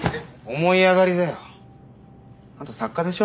思い上がりだよ。あんた作家でしょ？